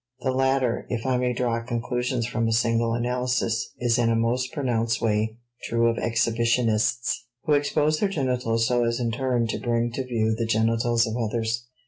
The latter, if I may draw conclusions from a single analysis, is in a most pronounced way true of exhibitionists, who expose their genitals so as in turn to bring to view the genitals of others.